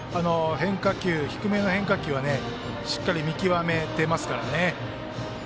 低めの変化球はしっかり見極めていますから。